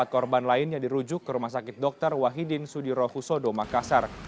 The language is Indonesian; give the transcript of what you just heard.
empat korban lainnya dirujuk ke rumah sakit dr wahidin sudirohusodo makassar